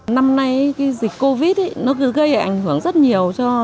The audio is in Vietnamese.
năm nay dịch covid một mươi chín gây ảnh hưởng rất nhiều cho sự mua bán